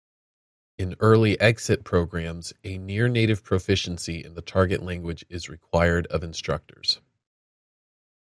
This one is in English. In early-exit programs, a near-native proficiency in the target language is required of instructors.